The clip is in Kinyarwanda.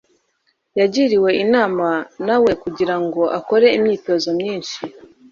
Yagiriwe inama na we kugira ngo akore imyitozo myinshi